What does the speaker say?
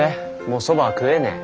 もうそばは食えねえ。